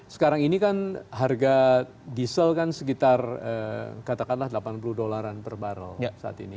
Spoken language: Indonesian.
sekarang ini kan harga diesel kan sekitar katakanlah delapan puluh dolaran per barrel saat ini